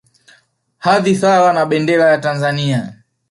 Hadhi sawa na Bendera ya Tanzania